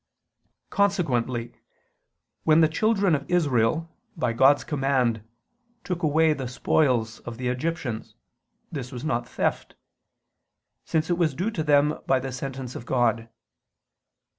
Consequently when the children of Israel, by God's command, took away the spoils of the Egyptians, this was not theft; since it was due to them by the sentence of God.